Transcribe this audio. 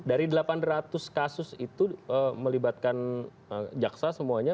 dari delapan ratus kasus itu melibatkan jaksa semuanya